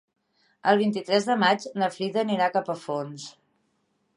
El vint-i-tres de maig na Frida anirà a Capafonts.